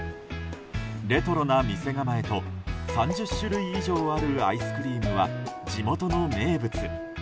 レトロな店構えと３０種類以上あるアイスクリームは地元の名物。